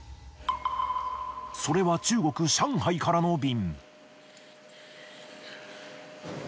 それは中国上海からの便。